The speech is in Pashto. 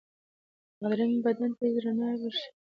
بادرنګ بدن ته رڼا بښي.